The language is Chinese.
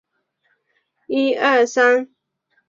此地位于大正时期设置的岸飞行场西端。